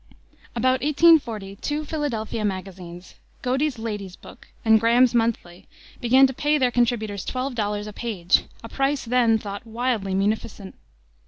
About 1840 two Philadelphia magazines Godey's Lady's Book and Graham's Monthly began to pay their contributors twelve dollars a page, a price then thought wildly munificent.